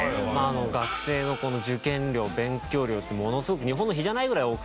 学生のこの受験量勉強量ってものすごく日本の比じゃないぐらい多くて。